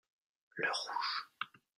le rouge.